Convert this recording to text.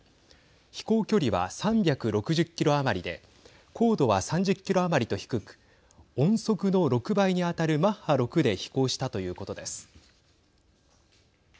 飛行距離は３６０キロ余りで高度は３０キロ余りと低く音速の６倍に当たるマッハ６で飛行したということです。